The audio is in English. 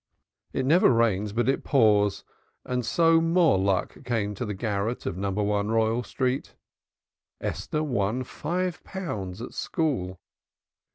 It never rains but it pours, and so more luck came to the garret of No. 1 Royal Street. Esther won five pounds at school.